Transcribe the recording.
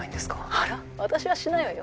あら私はしないわよ